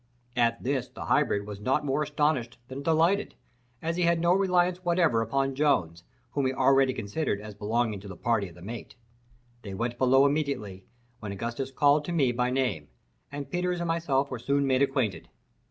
At this the hybrid was not more astonished than delighted, as he had no reliance whatever upon Jones, whom he already considered as belonging to the party of the mate. They went below immediately, when Augustus called to me by name, and Peters and myself were soon made acquainted.